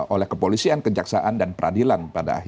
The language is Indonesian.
oleh kepolisian kejaksaan dan peradilan